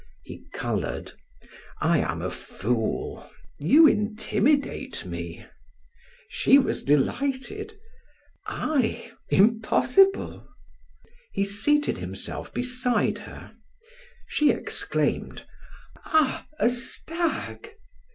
He colored. "I am a fool. You intimidate me." She was delighted. "I? Impossible." He seated himself beside her. She exclaimed: "Ah! a stag!"